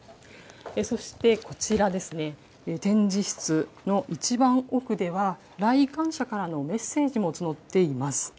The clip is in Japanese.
そしてこちらですね、展示室の一番奥では、来館者からのメッセージも募っています。